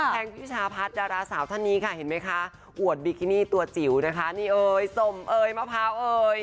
งพิชาพัฒน์ดาราสาวท่านนี้ค่ะเห็นไหมคะอวดบิกินี่ตัวจิ๋วนะคะนี่เอ่ยสมเอยมะพร้าวเอ่ย